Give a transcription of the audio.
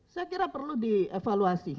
saya kira perlu dievaluasi